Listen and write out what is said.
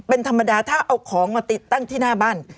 เป็นธรรมดาถ้าเอาของมาติดตั้งที่หน้าบ้าน